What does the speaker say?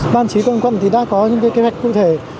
ban chí công an quân đã có những kế hoạch cụ thể